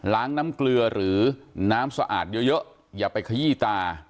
น้ำเกลือหรือน้ำสะอาดเยอะอย่าไปขยี้ตา